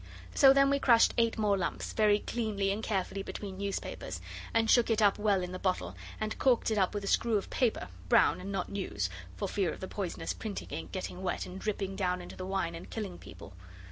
So then we crushed eight more lumps, very cleanly and carefully between newspapers, and shook it up well in the bottle, and corked it up with a screw of paper, brown and not news, for fear of the poisonous printing ink getting wet and dripping down into the wine and killing people.